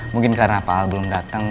mungkin karena pak al belum datang